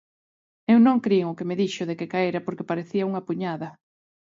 Eu non crin o que me dixo de que caera porque parecía unha puñada.